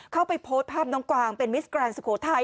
เข้าไปโพสต์ภาพน้องกวางเป็นมิสแกรนดสุโขทัย